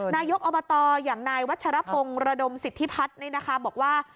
นายกอบตอย่างนายวัชรพงศ์ระดมสิทธิพัฒน์บอกว่า